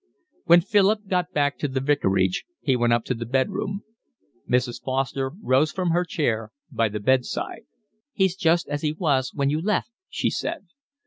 When Philip got back to the vicarage he went up to the bed room. Mrs. Foster rose from her chair by the bed side. "He's just as he was when you left," she said.